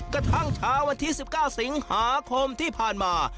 กระทั่งเช้าวันที่๑๙สิงหาคมที่ผ่านมา